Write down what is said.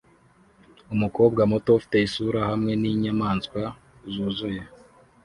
umukobwa muto ufite isura hamwe ninyamaswa zuzuye